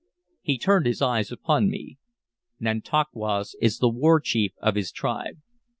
He turned his eyes upon me. "Nantauquas is the war chief of his tribe.